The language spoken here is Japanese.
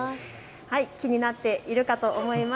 気になっているかと思います。